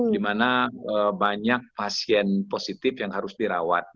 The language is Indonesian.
dimana banyak pasien positif yang harus dirawat